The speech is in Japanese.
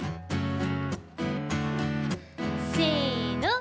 せの。